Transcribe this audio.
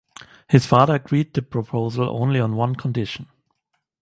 His father agreed the proposal only on one condition.